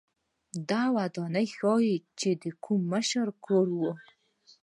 دا ودانۍ ښايي د کوم مشر کور و